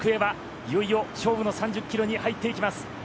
いよいよ勝負の３０キロに入っていきます。